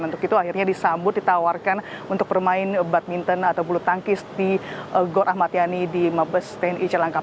untuk itu akhirnya disambut ditawarkan untuk bermain badminton atau bulu tangkis di gor ahmad yani di mabes tni celangkap